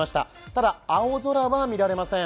ただ、青空は見られません。